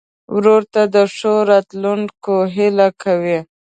ورور ته د ښو راتلونکو هیلې کوې.